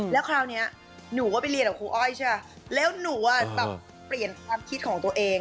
แล้วคราวนี้หนูก็ไปเรียนกับครูอ้อยใช่ป่ะแล้วหนูอ่ะแบบเปลี่ยนความคิดของตัวเอง